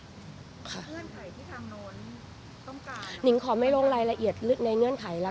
เงื่อนไขที่ทางโน้นต้องการหนิงขอไม่ลงรายละเอียดในเงื่อนไขแล้ว